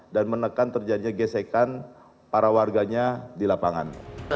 dan menekan terjadinya gesekan para warganya di lapangan